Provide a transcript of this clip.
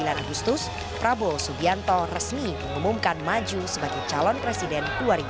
sembilan agustus prabowo subianto resmi mengumumkan maju sebagai calon presiden dua ribu dua puluh